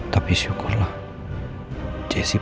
tapi syukurlah jessica